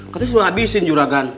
katanya suruh habisin joragan